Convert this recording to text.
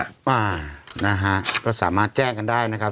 อ่านะฮะก็สามารถแจ้งกันได้นะครับ